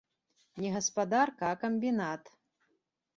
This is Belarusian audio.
Не гаспадарка, а камбінат!